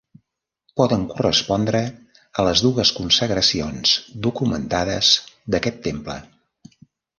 Poden correspondre a les dues consagracions documentades d'aquest temple.